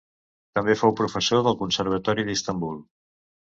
També fou professor del Conservatori d'Istanbul.